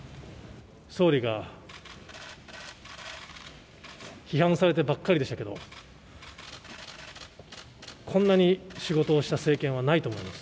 総理が、批判されてばっかりでしたけど、こんなに仕事をした政権はないと思います。